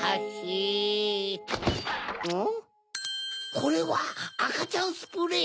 これはあかちゃんスプレー！